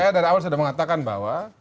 saya dari awal sudah mengatakan bahwa